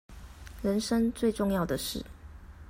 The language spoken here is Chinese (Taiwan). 人生最重要的事